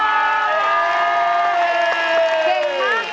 ๓๘บาท